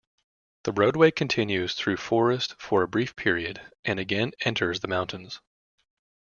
The roadway continues though forest for a brief period, and again enters the mountains.